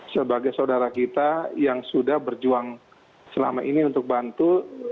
sebagai saudara kita yang sudah berjuang selama ini untuk bantu